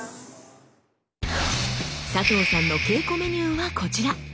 佐藤さんの稽古メニューはこちら。